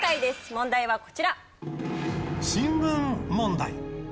問題はこちら。